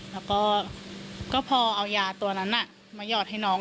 แล้วก็พอเอายาตัวนั้นมาหยอดให้น้อง